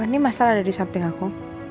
ini masalah ada disamping aku